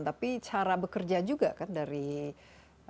tapi cara bekerja juga kan dari timnya iasn juga